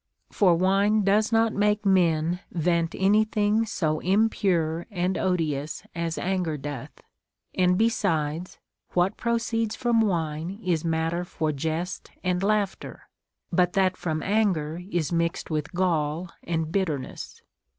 For wine does not make men vent any thing so impure and odious as anger doth ; and, besides, what proceeds from wine is matter for jest and laughter, but that from anger is mixed with gall and bitter ness.